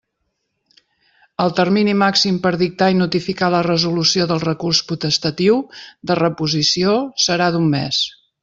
El termini màxim per dictar i notificar la resolució del recurs potestatiu de reposició serà d'un mes.